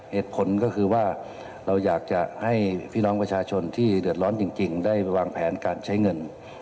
เหตุผลก็คือว่าเราอยากจะให้พี่น้องประชาชนที่เดือดร้อนจริงได้วางแผนการใช้เงิน